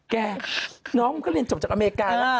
น้องมันก็เรียนจบจากอเมริกาแล้ว